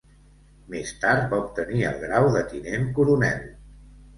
Més tard va obtenir el grau de tinent coronel.